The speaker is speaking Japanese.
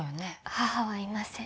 母はいません